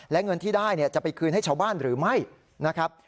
และเงินที่ได้จะไปคืนให้ชาวบ้านหรือไม่นะครับ